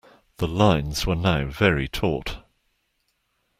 The lines were now very taut.